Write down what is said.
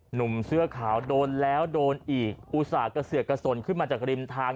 หนุ่มเสื้อขาวโดนแล้วโดนอีกอุตส่าห์กระเสือกกระสนขึ้นมาจากริมทาง